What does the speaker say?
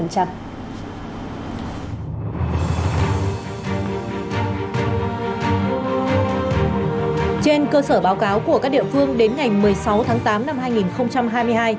trên cơ sở báo cáo của các địa phương đến ngày một mươi sáu tháng tám năm hai nghìn hai mươi hai